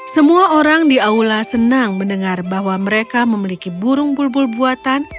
semua orang di aula senang mendengar bahwa mereka memiliki burung bulbul buatan